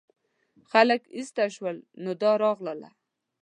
خلک ایسته شول نو دا راغله.